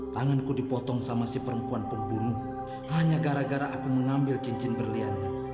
tanganku dipotong sama si perempuan pembunuh hanya gara gara aku mengambil cincin berliannya